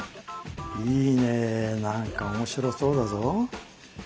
いいね何か面白そうだぞ。